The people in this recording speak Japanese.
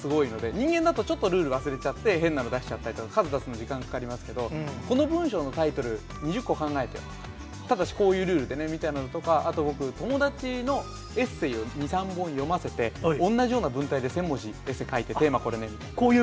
人間だとちょっとルール忘れちゃって、変なの出しちゃったりとか、数出すのに時間かかりますけど、この文章のタイトル２０個考えてよ、ただしこういうルールでねみたいなのとか、あと僕、友達のエッセーを２、３本読ませて、同じような文体で専門誌、エッセー書いてねって。